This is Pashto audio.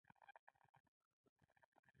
غرونه د رنګونو جامه اغوندي